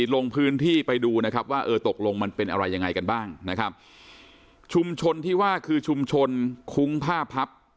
ลงพื้นที่ไปดูนะครับว่าเออตกลงมันเป็นอะไรยังไงกันบ้างนะครับชุมชนที่ว่าคือชุมชนคุ้งผ้าพับ